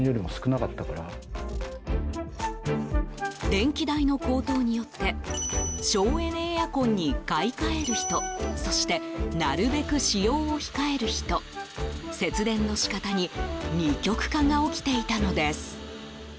電気代の高騰によって省エネエアコンに買い替える人そしてなるべく使用を控える人節電の仕方に二極化が起きていたのです。